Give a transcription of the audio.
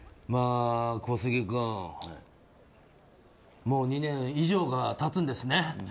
小杉君、もう２年以上が経つんですね。